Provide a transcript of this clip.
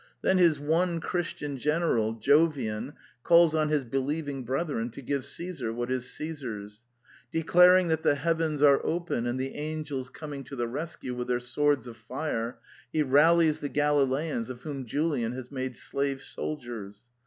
Then his one Christian general, Jovian, calls on his " believing brethren " to give Caesar what is Cssar's. Declaring that the heavens are open and the angels coming to the rescue with their swords of fire, he rallies the Galileans of whom Julian has made slave soldiers.